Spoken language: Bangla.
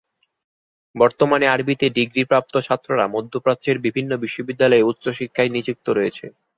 বর্তমানে আরবিতে ডিগ্রি প্রাপ্ত ছাত্ররা মধ্যপ্রাচ্যের বিভিন্ন বিশ্ববিদ্যালয়ে উচ্চ শিক্ষায় নিযুক্ত রয়েছে।